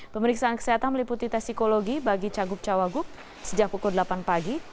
pemeriksaan kesehatan meliputi tes psikologi bagi cagup cawagup sejak pukul delapan pagi